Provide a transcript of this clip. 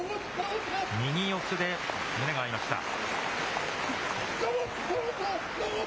右四つで胸が合いました。